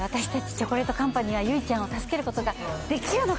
チョコレートカンパニーは唯ちゃんを助けることができるのか？